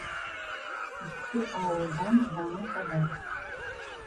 Иҫке ауылдан яңы хәбәр.